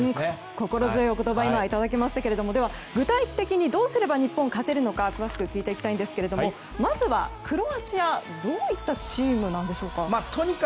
心強いお言葉をいただきましたけれどもでは、具体的にどうすれば日本勝てるのか詳しく聞いていきたいんですがまずはクロアチアはどういったチームなんでしょうか？